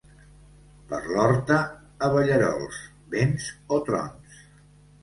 Per l'horta, abellerols, vents o trons.